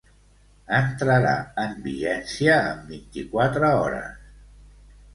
Entrarà en vigència en vint-i-quatre hores.